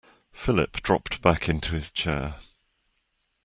Philip dropped back into his chair.